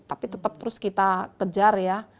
tapi tetap terus kita kejar ya